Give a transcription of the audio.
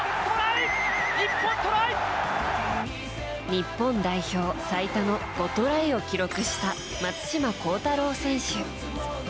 日本代表最多の、５トライを記録した松島幸太朗選手。